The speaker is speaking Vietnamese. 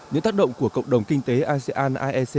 những tác động của cộng đồng kinh tế asean aec